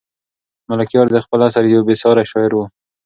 ملکیار د خپل عصر یو بې ساری شاعر و.